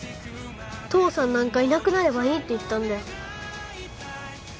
父さんなんかいなくなればいいって言ったんだよ